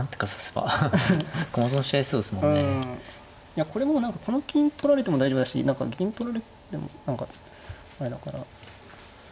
いやこれもう何かこの金取られても大丈夫だし何か銀取られても何かあれだから。